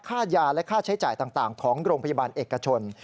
ค่ายาและค่าใช้จ่ายต่างของโรงพยาบาลเอกชน